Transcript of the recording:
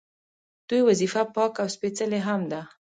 دوی وظیفه پاکه او سپیڅلې هم ده.